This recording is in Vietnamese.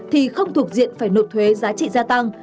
thì không thuộc diện phải nộp thuế giá trị gia tăng